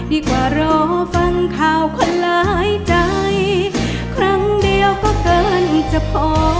ดีกว่ารอฟังข่าวคนหลายใจครั้งเดียวก็เกินจะพอ